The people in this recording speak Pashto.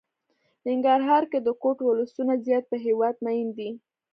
ننګرهار کې د کوټ ولسونه زيات په هېواد ميئن دي.